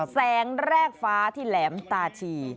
แสงแรกฟ้าที่แหลมตาชี